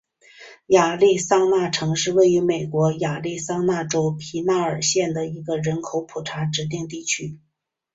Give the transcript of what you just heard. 亚利桑那城是位于美国亚利桑那州皮纳尔县的一个人口普查指定地区。